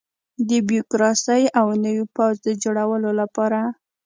د بیروکراسۍ او نوي پوځ د جوړولو لپاره.